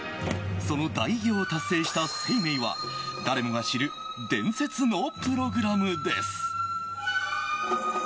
その大偉業を達成した「ＳＥＩＭＥＩ」は誰もが知る伝説のプログラムです。